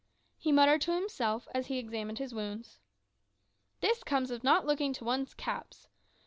He muttered to himself as he examined his wounds "This comes of not looking to one's caps.